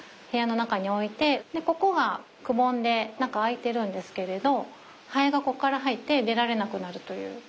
部屋の中に置いてここがくぼんで中開いてるんですけれどハエがここから入って出られなくなるという。